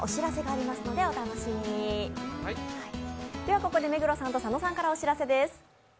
ここで目黒さんと佐野さんからお知らせです。